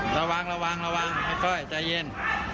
ระวังแค่ก่อนใจเย็น